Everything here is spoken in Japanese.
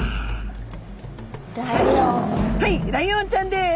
はいライオンちゃんです。